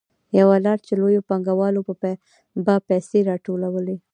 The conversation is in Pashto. یوه لار چې لویو پانګوالو به پیسې راټولولې